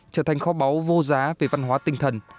trở thành kho báu vô giá về văn hóa tinh thần